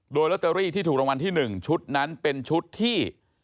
โดยลอตเตอรี่ที่ถูกรางวัลที่๑ชุดนั้นเป็นชุดที่